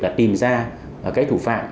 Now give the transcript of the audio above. là tìm ra cái thủ phạm